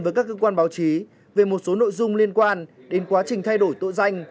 với các cơ quan báo chí về một số nội dung liên quan đến quá trình thay đổi tội danh